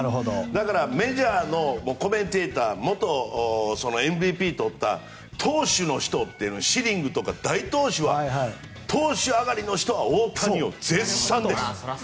だからメジャーのコメンテーター元ＭＶＰ取った投手の人とかシリングとか大投手は投手上がりの人は大谷を絶賛です。